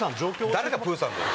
誰がプーさんだよ！